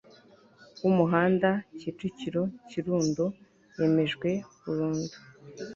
w umuhanda kicukiro kirundo yemejwe burundu